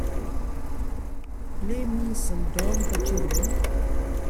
play me some Dom Pachino